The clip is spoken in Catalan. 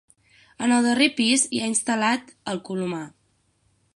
En el darrer pis hi ha instal·lat el colomar.